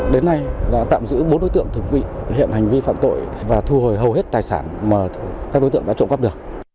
đến nay đã tạm giữ bốn đối tượng thực vị hiện hành vi phạm tội và thu hồi hầu hết tài sản mà các đối tượng đã trộm cắp được